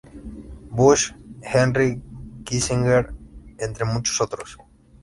Bush, Henry Kissinger, entre muchos otros.